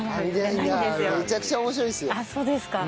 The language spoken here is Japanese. めちゃくちゃ面白いですよ。